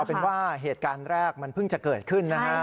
เป็นว่าเหตุการณ์แรกมันเพิ่งจะเกิดขึ้นนะฮะ